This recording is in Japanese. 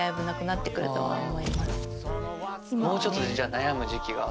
もうちょっとで悩む時期は。